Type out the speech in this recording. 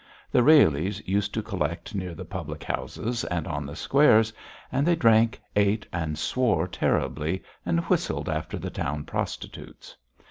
The "railies" used to collect near the public houses and on the squares; and they drank, ate, and swore terribly, and whistled after the town prostitutes.